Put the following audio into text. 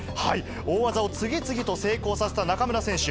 大技を次々と成功させた中村選手。